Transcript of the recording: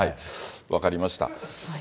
分かりました。